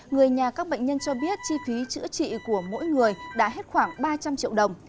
người nhà các bệnh nhân cho biết chi phí chữa trị của mỗi người đã hết khoảng ba trăm linh triệu đồng